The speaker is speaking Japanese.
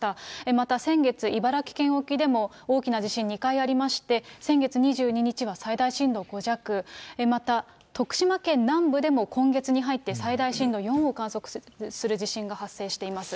また先月、茨城県沖でも大きな地震２回ありまして、先月２２日は最大震度５弱、また徳島県南部でも今月に入って、最大震度４を観測する地震が発生しています。